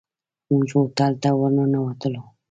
موږ هوټل ته ورننوتلو.